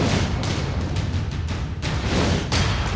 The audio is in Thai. ดวงมึงถึงข้าย